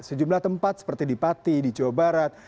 sejumlah tempat seperti di pati di jawa barat